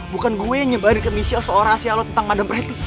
bukan gue yang nyebarin ke michelle seorasi lo tentang madam pretty